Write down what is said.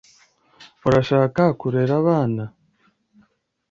Urashaka kurera abana?